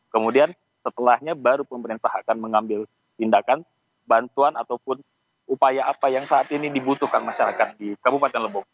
kemudian setelahnya baru pemerintah akan mengambil tindakan bantuan ataupun upaya apa yang saat ini dibutuhkan masyarakat di kabupaten lebong